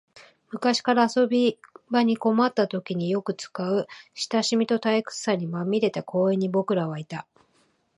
昔から遊び場に困ったときによく使う、親しみと退屈さにまみれた公園に僕らはいた